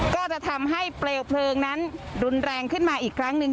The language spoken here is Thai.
ก็จะทำให้เปลวเพลิงนั้นรุนแรงขึ้นมาอีกครั้งหนึ่ง